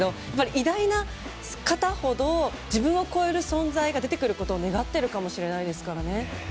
偉大な方ほど、自分を超える存在が出てくることを願っているかもしれないですからね。